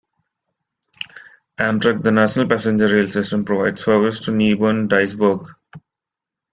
Amtrak, the national passenger rail system, provides service to Newbern-Dyersburg.